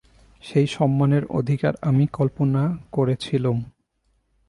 সেই সম্মানের অধিকার আমি কল্পনা করেছিলুম।